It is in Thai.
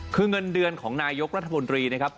คือเงินเดือนของนายกรัฐมนตรีนะครับ